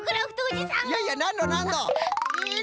いやいやなんのなんの。